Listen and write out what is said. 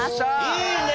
いいね！